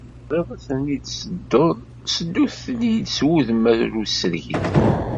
Ma tebɣiḍ ad tent-id-tsedduḍ seddu-tent-id s wudem arusrid.